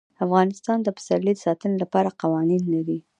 افغانستان د پسرلی د ساتنې لپاره قوانین لري.